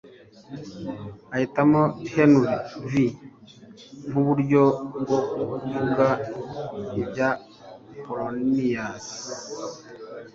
ahitamo henry v nk'uburyo bwo kuvuga ibya polonius